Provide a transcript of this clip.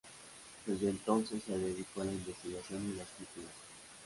Desde entonces se dedicó a la investigación y la escritura.